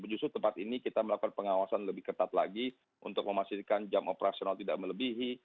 justru tempat ini kita melakukan pengawasan lebih ketat lagi untuk memastikan jam operasional tidak melebihi